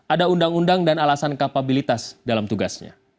ada undang undang dan alasan kapabilitas dalam tugasnya